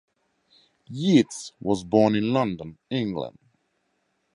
Yeats was born in London, England.